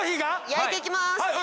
焼いていきます！